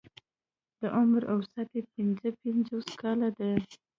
د عمر اوسط يې پنځه پنځوس کاله دی.